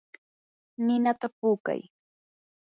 ninata puukay.